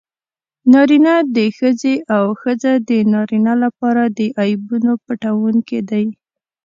نارینه د ښځې او ښځه د نارینه لپاره د عیبونو پټوونکي دي.